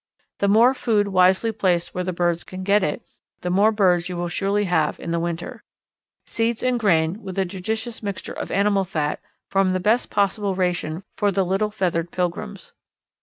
The more food wisely placed where the birds can get it, the more birds you will surely have in the winter. Seeds and grain, with a judicious mixture of animal fat, form the best possible ration for the little feathered pilgrims.